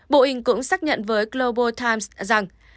boeing cũng xác nhận với global times rằng